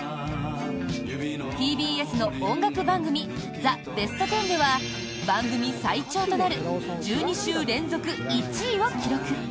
ＴＢＳの音楽番組「ザ・ベストテン」では番組最長となる１２週連続１位を記録。